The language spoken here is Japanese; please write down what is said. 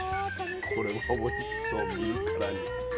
これはおいしそう見るからに。